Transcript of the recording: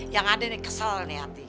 yang ada di kesel nih hati